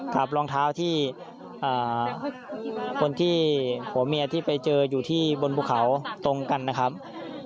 กับลองเท้าที่ผัวเมียที่ไปเจออยู่ที่บนบุคเขาตรงกันนะครับ